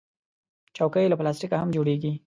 چوکۍ له پلاستیکه هم جوړیږي.